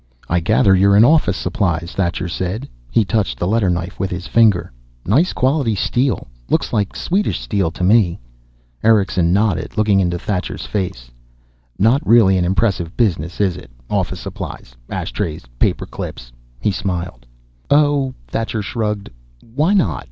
"I gather you're in office supplies," Thacher said. He touched the letter knife with his finger. "Nice quality steel. Looks like Swedish steel, to me." Erickson nodded, looking into Thacher's face. "Not really an impressive business, is it? Office supplies. Ashtrays, paper clips." He smiled. "Oh " Thacher shrugged. "Why not?